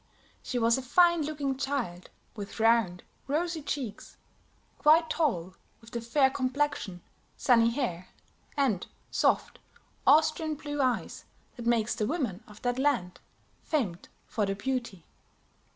She was a fine looking child, with round, rosy cheeks; quite tall, with the fair complexion, sunny hair, and soft, Austrian blue eyes that makes the women of that land famed for their beauty.